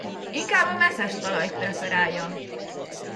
Inkább a meszes talajt preferálja.